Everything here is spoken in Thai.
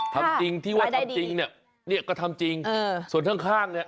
ทำจริงที่ว่าทำจริงเนี่ยเนี่ยก็ทำจริงส่วนข้างเนี่ย